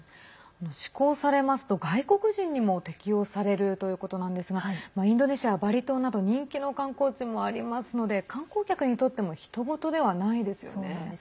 施行されますと外国人にも適用されるということなんですがインドネシアはバリ島など人気の観光地もありますので観光客にとってもひと事ではないですよね。